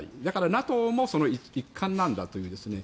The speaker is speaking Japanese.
だからＮＡＴＯもその一環なんだと。